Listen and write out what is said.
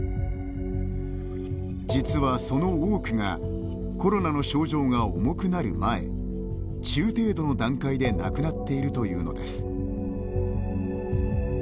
実は、その多くがコロナの症状が重くなる前中程度の段階で亡くなっているというのです。